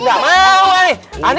udah balik aja balik